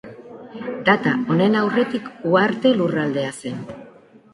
Data honen aurretik Uharte Lurraldea zen.